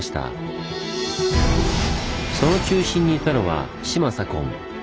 その中心にいたのは島左近。